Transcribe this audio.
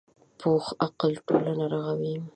پوخ عقل ټولنه رغوي